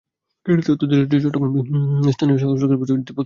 তদন্তে নেতৃত্ব দেন চট্টগ্রাম বিভাগের স্থানীয় সরকার শাখার পরিচালক দীপক চক্রবর্তী।